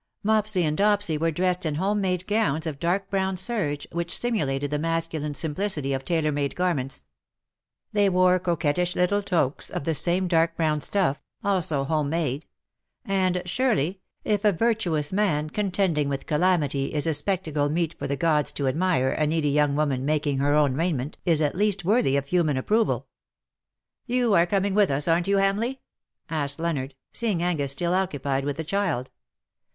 Mopsy and Dopsy were dressed in home made gowns of dark brown serge which simulated the masculine simplicity of tailor made garments. They wore coquettish little toques of the same dark brown stuff, also home made — and OOO it BUT IT SUFFICETH, surely^if a virtuous man contending with calamity is a spectacle meet for the gods to admire a needy young woman making her own raiment is at least worthy of human approval. " You are coming with us^ aren^t you^ Hamleigh/' asked Leonard, seeing Angus still occupied with the child.